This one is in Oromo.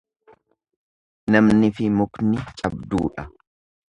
Namnifi mukni cabduudha.